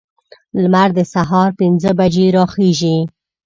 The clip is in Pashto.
لمر د سهار پنځه بجې راخیزي.